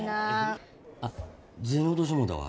あっ銭落としてもうたわ。